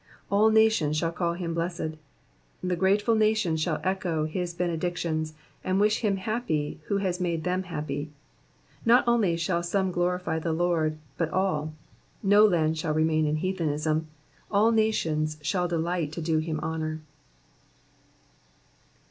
^^All nations shall call him hlessed."*^ The grateful nations shall echo his benedictions, and wish him happy who has made them happy. Not only shall some glorify the Lord, but all; no land shall remain in heathenism ; all nations shall delight to do him honour.